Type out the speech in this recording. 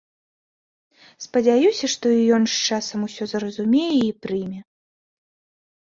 Спадзяюся, што і ён з часам усё зразумее і прыме.